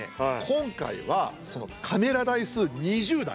今回はそのカメラ台数２０台。